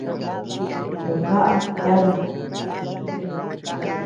Chito kaʼa yanam.